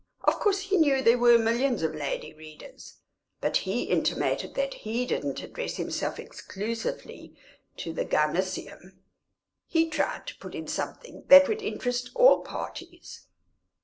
Of course, he knew there were millions of lady readers, but he intimated that he didn't address himself exclusively to the gynecæum; he tried to put in something that would interest all parties.